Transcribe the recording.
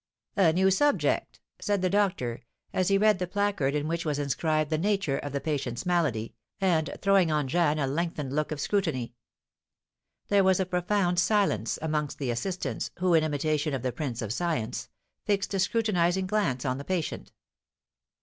"A new subject!" said the doctor, as he read the placard in which was inscribed the nature of the patient's malady, and throwing on Jeanne a lengthened look of scrutiny. There was a profound silence amongst the assistants, who, in imitation of the prince of science, fixed a scrutinising glance on the patient.